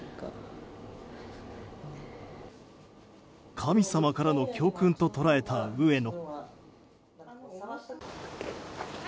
神様からの教訓と捉えた上野。